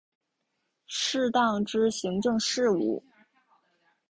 适当之行政事务